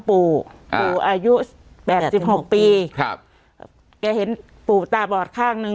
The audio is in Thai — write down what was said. ปู่ปู่อายุแปดสิบหกปีครับแกเห็นปู่ตาบอดข้างหนึ่ง